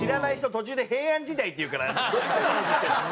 途中で「平安時代」って言うからいつの話してるのか。